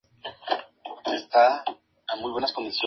Anderson fue un invitado misterioso en el concurso "What's My Line?